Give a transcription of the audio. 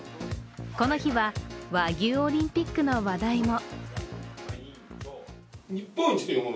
この日は、和牛オリンピックの話題も。